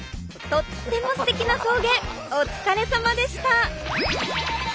とってもすてきな送迎お疲れさまでした！